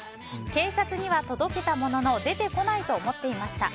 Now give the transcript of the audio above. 警察には届けたものの出てこないと思っていました。